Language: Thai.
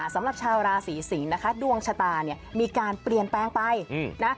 สำหรับชาวราศีสิงศ์นะคะดวงชะตาเนี่ยมีการเปลี่ยนแปลงไปนะ